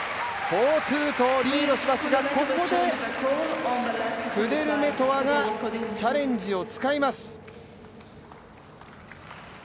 ４−２とリードしますが、ここでクデルメトワがチャレンジを使います。